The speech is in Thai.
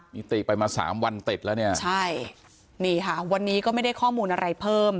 นิติไปมาสามวันติดแล้วเนี่ยใช่นี่ค่ะวันนี้ก็ไม่ได้ข้อมูลอะไรเพิ่ม